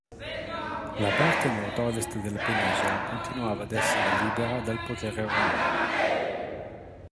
La parte nord-ovest della penisola continuava ad essere libera dal potere romano.